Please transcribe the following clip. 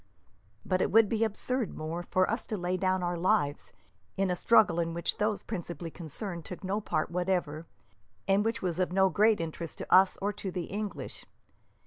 "But it would be absurd, Moore, for us to lay down our lives in a struggle in which those principally concerned took no part whatever, and which was of no great interest either to us or to the English.